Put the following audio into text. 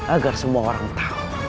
agar semua orang tahu